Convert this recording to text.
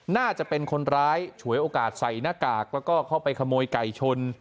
น่าจะเป็นคนร้ายฉวยโอกาสใส่หน้ากากแล้วก็เข้าไปขโมยไก่ชน